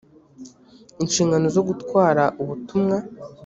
inshingano zo gutwara ubutumwa